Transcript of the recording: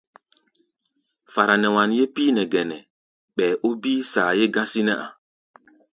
Fara nɛ wanyé píí nɛ gɛnɛ, ɓɛɛ ó bíí saayé gásí nɛ́ a̧.